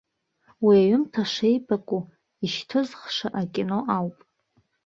Уи аҩымҭа шеибаку ишьҭызхша акино ауп.